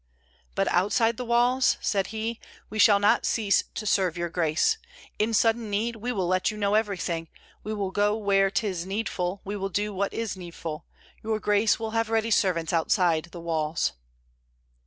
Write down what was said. "But outside the walls," said he, "we shall not cease to serve your grace. In sudden need, we will let you know everything; we will go where 'tis needful; we will do what is needful. Your grace will have ready servants outside the walls."